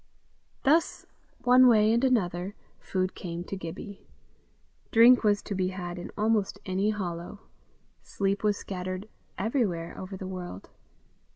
Thus, one way and another, food came to Gibbie. Drink was to be had in almost any hollow. Sleep was scattered everywhere over the world.